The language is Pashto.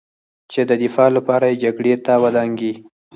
چې د دفاع لپاره یې جګړې ته ودانګي